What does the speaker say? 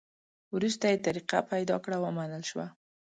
وروسته یې طریقه پیدا کړه؛ ومنل شوه.